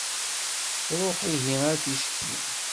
Ruḥ ihi ar-ticki.